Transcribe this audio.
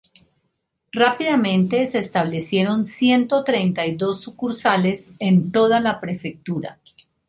Rápidamente se establecieron ciento treinta y dos sucursales en toda la prefectura.